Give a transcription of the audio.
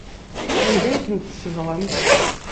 Anda ay ten-tsebɣem?